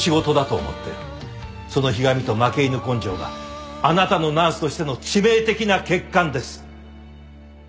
そのひがみと負け犬根性があなたのナースとしての致命的な欠陥です。